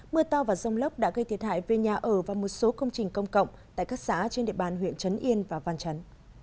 mưa to và rông lốc đã gây thiệt hại về nhà ở và một số công trình công cộng tại các xã trên địa bàn huyện trấn yên và văn trấn